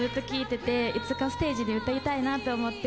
いつかステージで歌いたいなと思って。